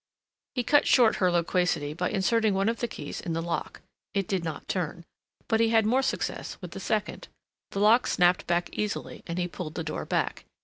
He cut short her loquacity by inserting one of the keys in the lock it did not turn, but he had more success with the second. The lock snapped back easily and he pulled the door back.